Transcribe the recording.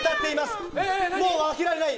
もう負けられない。